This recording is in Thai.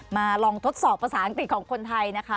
มาลองทดสอบภาษาอังกฤษของคนไทยนะคะ